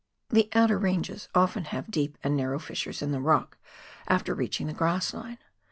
The outer ranges often have deep and narrow fissures in the rock after reaching the grass line.